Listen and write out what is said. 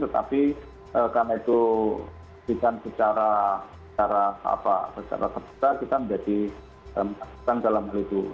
tetapi karena itu bisa secara secara apa secara tersebut kita menjadi kita menghasilkan dalam hal itu